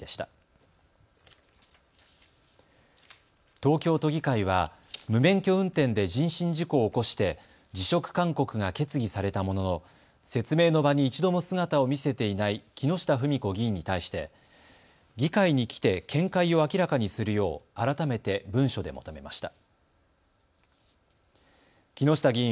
東京都議会は無免許運転で人身事故を起こして辞職勧告が決議されたものの説明の場に一度も姿を見せていない木下富美子議員に対して議会に来て見解を明らかにするよう改めて文書で求めました。